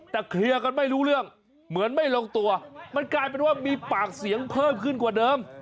แต่เคลียร์กันไม่รู้เรื่องเหมือนไม่ลงตัวมันกลายเป็นว่ามีปากเสียงเพิ่มขึ้นกว่าเดิม